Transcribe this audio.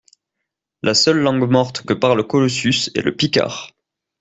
La seule langue morte que parle Colossus est le picard